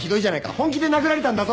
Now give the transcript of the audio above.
本気で殴られたんだぞ！